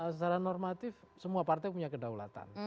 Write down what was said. secara normatif semua partai punya kedaulatan